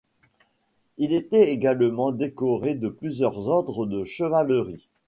Il était également décoré de plusieurs ordres de chevalerie.